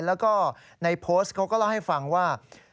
แล้วก็ในโพสต์เขาก็เล่าให้ฟังว่า